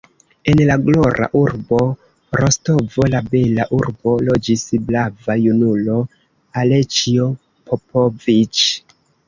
En la glora urbo Rostovo, la bela urbo, loĝis brava junulo, Aleĉjo Popoviĉ.